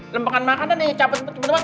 lembangan makanan nih capek capek bener bener